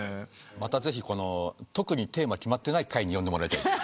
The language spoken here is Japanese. またぜひ特にテーマ決まってない回に呼んでもらいたいです。